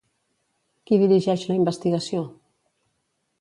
Qui dirigeix la investigació?